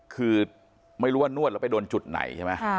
คือไม่รู้ว่านวดเราไปอยู่จุดไหน